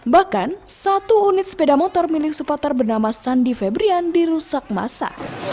bahkan satu unit sepeda motor milik supporter bernama sandi febrian dirusak masa